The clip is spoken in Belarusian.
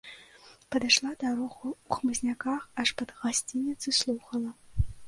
Падышла дарогаю ў хмызняках аж пад гасцінец і слухала.